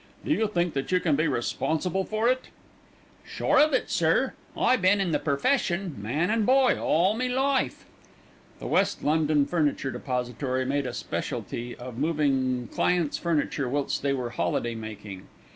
Do you think that you can be responsible for it?" "Sure of it, sir. I been in the perfession, man and boy, all me life." The West London Furniture Depository made a specialty of moving clients' furniture whilst they were holiday making.